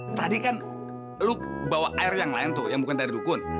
lo tadi kan lu bawa air yang lain tuh yang bukan dari dukun